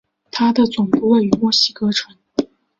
它的总部位于墨西哥城。